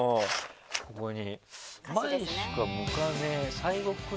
ここに。